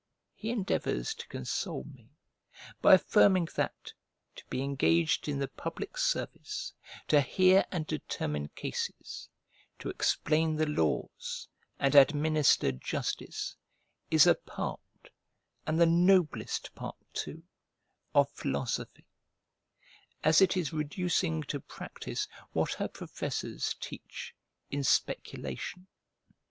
He endeavours to console me, by affirming that, to be engaged in the public service, to hear and determine cases, to explain the laws, and administer justice, is a part, and the noblest part, too, of philosophy; as it is reducing to practice what her professors teach in speculation.